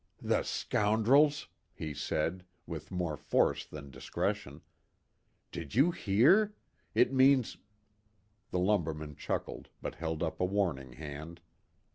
"The scoundrels!" he said, with more force than discretion. "Did you hear? It means " The lumberman chuckled, but held up a warning hand.